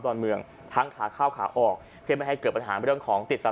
อนเมืองทั้งขาเข้าขาออกเพื่อไม่ให้เกิดปัญหาเรื่องของติดสะ